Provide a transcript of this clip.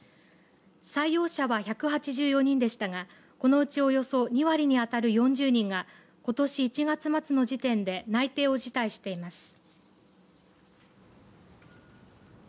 採用者は１８４人でしたがこのうちおよそ２割にあたる４０人がことし１月末の時点で内定を辞退しています。